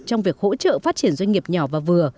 trong việc hỗ trợ phát triển doanh nghiệp nhỏ và vừa